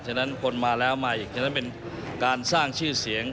ฉะนั้นคนมาแล้วมาอีกฉะนั้นเป็นการสร้างชื่อเสียง